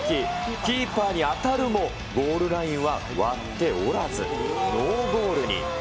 キーパーに当たるも、ゴールラインは割っておらずノーゴールに。